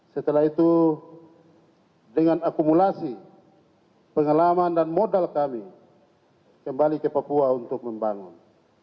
setelah itu dengan akumulasi pengalaman dan modal kami kembali ke papua untuk membangun